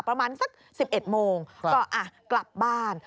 ประมาณสัก๑๑โมงก็กลับบ้าน